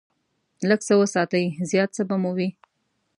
لږ څه وساتئ، زیات څه به مو وي.